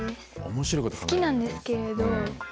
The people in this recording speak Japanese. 好きなんですけれど。